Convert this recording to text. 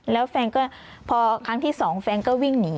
แล้วแฟนก็พอครั้งที่สองแฟนก็วิ่งหนี